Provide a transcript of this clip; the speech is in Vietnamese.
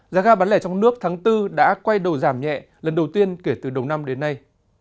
giá ga bán lẻ trong nước tháng bốn đã quay đầu giảm nhẹ lần đầu tiên kể từ đầu năm đến nay